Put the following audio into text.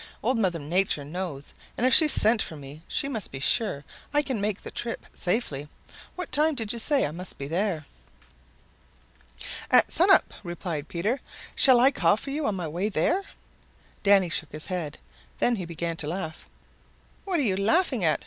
Old Mother Nature knows, and if she sent for me she must be sure I can make the trip safely. What time did you say I must be there?" "At sun up," replied Peter. "Shall I call for you on my way there?" Danny shook his head. Then he began to laugh. "What are you laughing at?"